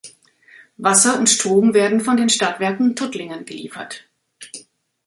Wasser und Strom werden von den Stadtwerken Tuttlingen geliefert.